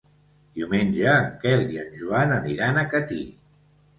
Diumenge en Quel i en Joan aniran a Catí.